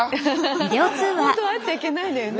本当は会っちゃいけないのよね。